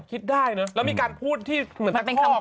คิดได้เนอะแล้วมีการพูดที่เหมือนตะคอก